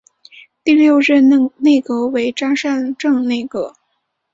第六任内阁为张善政内阁。